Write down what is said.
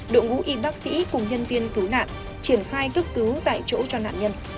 động vũ y bác sĩ cùng nhân viên cứu nạn triển khai cấp cứu tại chỗ cho nạn nhân